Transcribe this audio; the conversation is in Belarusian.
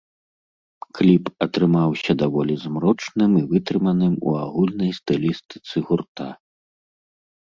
Кліп атрымаўся даволі змрочным і вытрыманым у агульнай стылістыцы гурта.